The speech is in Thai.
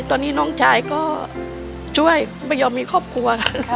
ตอนนี้น้องชายก็ช่วยไม่ยอมมีครอบครัวค่ะ